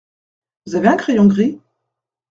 Vous avez un crayon gris ?